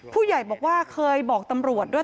ผู้ใหญ่บอกว่าเคยบอกตำรวจด้วย